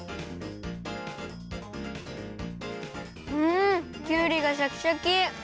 んきゅうりがシャキシャキ！